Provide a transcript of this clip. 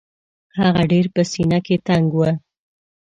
هغه ډېر په سینه کې تنګ دی.